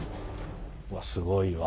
すごいわ。